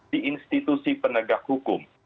di institusi penegak hukum